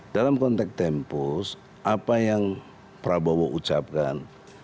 dalam konteks tempus apa yang prabowo ucapkan